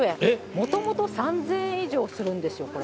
もともと３０００円以上するんですよ、これ。